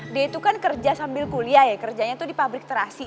dia itu kan kerja sambil kuliah ya kerjanya itu di pabrik terasi